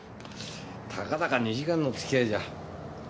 たかだか２時間の付き合いじゃ。